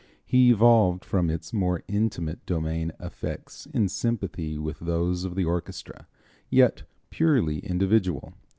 He evolved from its more intimate domain effects in sympathy with those of the orchestra, yet purely individual.